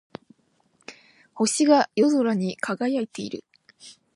星が夜空に輝いている。